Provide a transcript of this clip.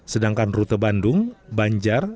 sedangkan rute bandung banjar